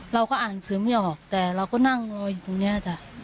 เราก็อ่านสื่อไม่ออกแต่เราก็นั่งรออยู่ตรงนี้จ้ะ